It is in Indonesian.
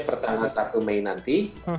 pertama satu mei nanti